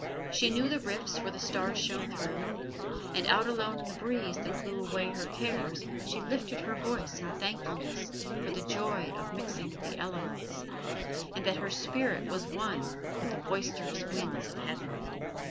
She knew the rifts where the stars shone through, and out alone in the breeze that blew away her cares she lifted her voice in thankfulness for the joy of mixing with the elements, and that her spirit was one with the boisterous winds of heaven.